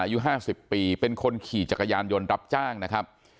อายุ๕๐ปีเป็นคนขี่จักรยานยนต์รับจ้างนะครับ